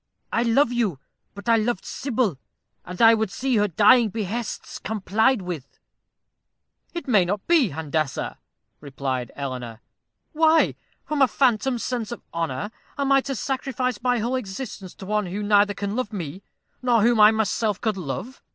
I love you, but I loved Sybil, and I would see her dying behests complied with." "It may not be, Handassah," replied Eleanor. "Why, from a phantom sense of honor, am I to sacrifice my whole existence to one who neither can love me, nor whom I myself could love?